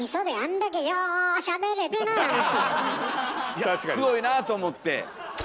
いやすごいなあと思って。